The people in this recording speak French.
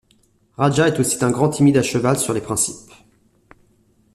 Raja est aussi un grand timide à cheval sur les principes...